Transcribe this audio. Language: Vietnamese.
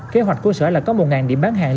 kế hoạch của sở là có một điểm bán hàng